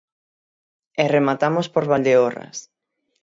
E rematamos por Valdeorras.